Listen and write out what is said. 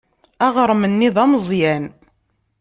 Aɣrem-nni d ameẓyan.